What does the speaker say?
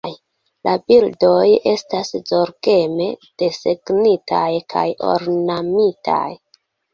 La bildoj estas zorgeme desegnitaj kaj ornamitaj.